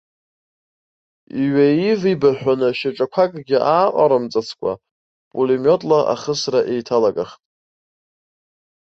Иҩаивибаҳәаны шьаҿақәакгьы ааҟарымҵацкәа, пулемиотла ахысра еиҭаналагахт.